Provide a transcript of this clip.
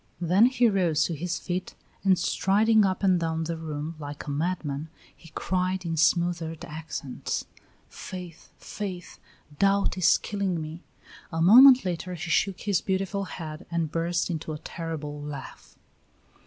Then he rose to his feet, and striding up and down the room like a madman, he cried in smothered accents: "Faith! Faith! Doubt is killing me!" A moment later he shook his beautiful head and burst into a terrible laugh.